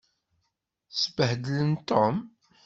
Sbehdlen Tom.